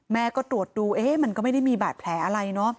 แม่ก็ตรวจดูมันก็ไม่ได้มีบาดแผลอะไรเนอะ